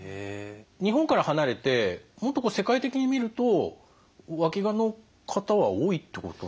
日本から離れてもっと世界的に見るとわきがの方は多いってこと？